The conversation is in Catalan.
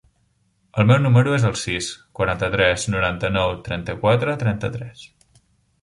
El meu número es el sis, quaranta-tres, noranta-nou, trenta-quatre, trenta-tres.